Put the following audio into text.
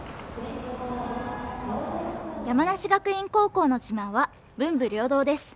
山梨学院高校の自慢は文武両道です。